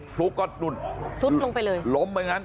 ฟลุ๊กก็ล้มไปอย่างนั้นฟลุ๊กก็สุดลงไปเลย